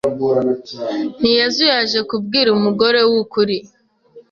Ntiyazuyaje kubwira umugore we ukuri.